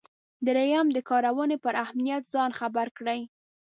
دریم د کارونې پر اهمیت ځان خبر کړئ.